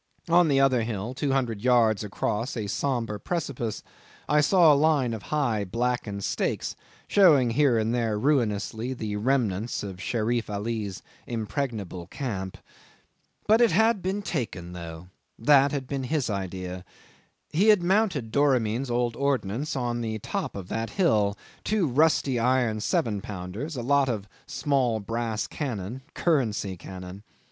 On the other hill, two hundred yards across a sombre precipice, I saw a line of high blackened stakes, showing here and there ruinously the remnants of Sherif Ali's impregnable camp. 'But it had been taken, though. That had been his idea. He had mounted Doramin's old ordnance on the top of that hill; two rusty iron 7 pounders, a lot of small brass cannon currency cannon.